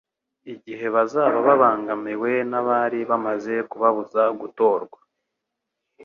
igihe bazaba babangamiwe n'abari bamaze kubabuza gutorwa.